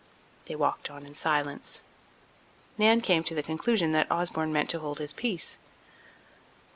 They walked on in silence. Nan came to the conclusion that Osborne meant to hold his peace.